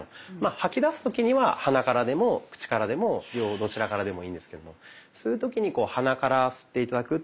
吐き出す時には鼻からでも口からでも両方どちらからでもいいんですけども吸う時に鼻から吸って頂くっていうのを。